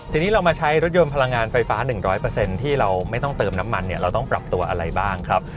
ทีนี้เรามาใช้รถยนต์พลังงานไฟฟ้า๑๐๐ที่เราไม่ต้องเติมน้ำมันเนี่ยเราต้องปรับตัวอะไรบ้างครับ